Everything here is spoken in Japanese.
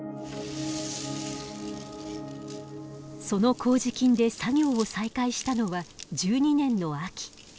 その麹菌で作業を再開したのは１２年の秋。